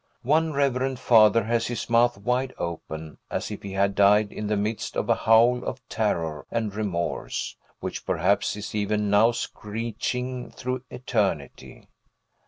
One reverend father has his mouth wide open, as if he had died in the midst of a howl of terror and remorse, which perhaps is even now screeching through eternity.